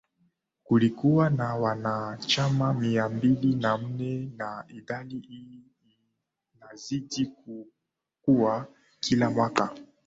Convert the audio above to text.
kulikuwa na wanachama mia mbili na nne na idadi hii inazidi kukua kila mwaka